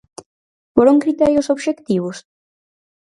¿Foron criterios obxectivos?